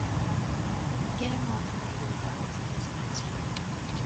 Guillemots and razorbills also nest here.